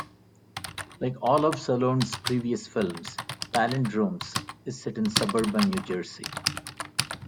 Like all of Solondz's previous films, "Palindromes" is set in suburban New Jersey.